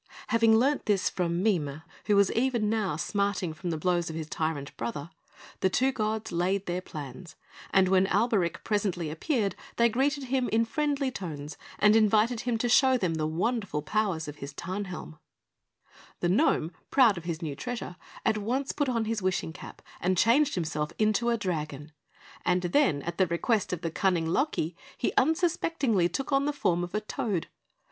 Having learnt this from Mime, who was even now smarting from the blows of his tyrant brother, the two gods laid their plans; and when Alberic presently appeared, they greeted him in friendly tones, and invited him to show them the wonderful powers of his Tarnhelm. The gnome, proud of his new treasure, at once put on his wishing cap, and changed himself into a dragon; and then, at the request of the cunning Loki, he unsuspectingly took on the form of a toad.